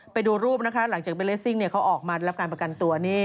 ไปดูรูปนะคะหลังจากเบเลสซิ่งเขาออกมารับการประกันตัวนี่